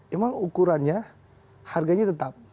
memang ukurannya harganya tetap